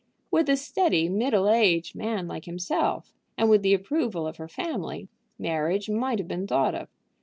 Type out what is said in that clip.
With a steady middle aged man like himself, and with the approval of her family, marriage might have been thought of.